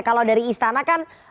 kalau dari istana kan